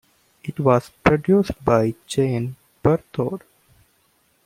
It was produced by Jane Berthoud.